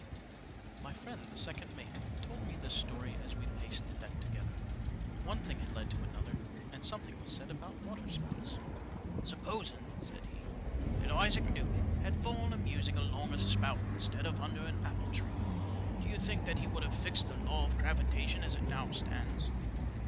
My friend, the second mate, told me this story as we paced the deck together. One thing had led to another, and something was said about waterspouts. Supposing," said he, that Isaac Newton had fallen a musing alongside a spout instead of under an apple tree ;— do you think he would have fixed the law of gravitation as it now stands